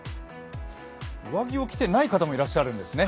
上着を着てない方もいらっしゃるんですね